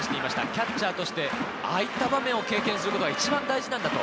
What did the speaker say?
キャッチャーとしてああいう場面を経験することが一番大事なんだと。